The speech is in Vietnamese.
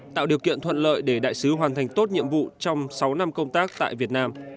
tạo điều kiện thuận lợi để đại sứ hoàn thành tốt nhiệm vụ trong sáu năm công tác tại việt nam